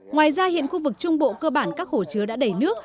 ngoài ra hiện khu vực trung bộ cơ bản các hồ chứa đã đầy nước